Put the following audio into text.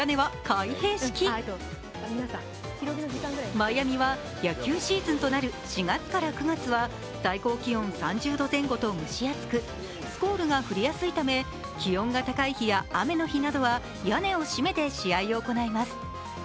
マイアミは野球シーズンとなる４月から９月は最高気温３０度前後と蒸し暑くスコールが降りやすいため気温が高い日や雨の日などは屋根を閉めて試合を行います。